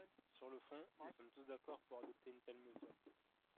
Sur le fond, nous sommes tous d’accord pour adopter une telle mesure.